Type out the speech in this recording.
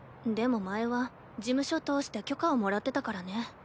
でも前は事務所通して許可をもらってたからね。